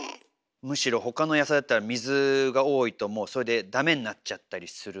むしろほかの野菜だったら水が多いともうそれでダメになっちゃったりするのに。